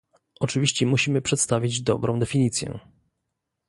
Oczywiście musimy przedstawić dobrą definicję